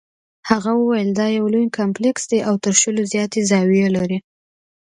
هغه وویل دا یو لوی کمپلیکس دی او تر شلو زیاتې زاویې لري.